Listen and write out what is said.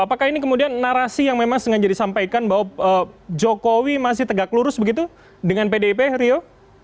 apakah ini kemudian narasi yang memang sengaja disampaikan bahwa jokowi masih tegak lurus begitu dengan pdip rio